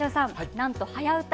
なんと「はやウタ」